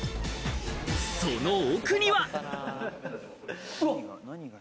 その奥には。